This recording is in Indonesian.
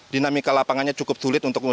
dinamika lapangannya cukup sulit untuk